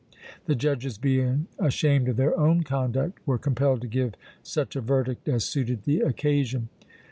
The judges being ashamed of their own conduct, were compelled to give such a verdict as suited the occasion.